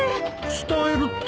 伝えるって？